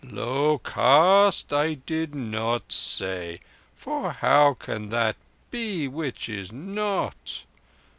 "Low caste I did not say, for how can that be which is not?